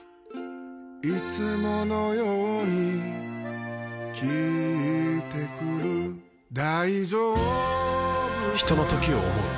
いつものように聞いてくる大丈夫か嗚呼ひとのときを、想う。